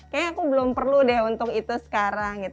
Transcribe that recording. kayaknya aku belum perlu deh untuk itu sekarang